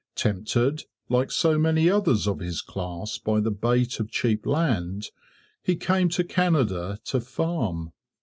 Tempted, like so many others of his class, by the bait of cheap land, he came to Canada to 'farm.'